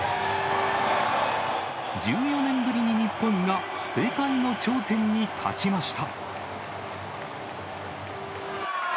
１４年ぶりに日本が世界の頂点に立ちました。